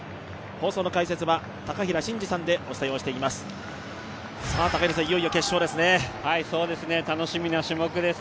放送解説は高平慎士さんでお伝えしていきます。